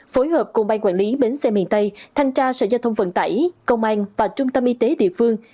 phối hợp cùng ban quản lý bến xe miền tây thanh tra sở giao thông vận tải công an và trung tâm y tế địa phương